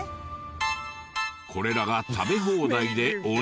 これらが食べ放題でお値段。